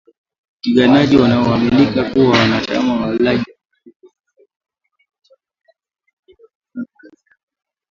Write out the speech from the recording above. Wapiganaji wanaoaminika kuwa wanachama wa Allied Democratic Forces walivamia kijiji cha Bulongo katika jimbo la Kivu kaskazini